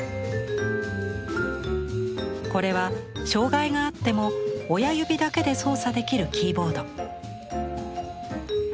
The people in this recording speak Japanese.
これは障害があっても親指だけで操作できるキーボード。